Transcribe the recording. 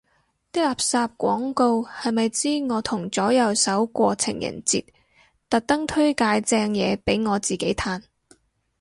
啲垃圾廣告係咪知我同左右手過情人節，特登推介正嘢俾我自己嘆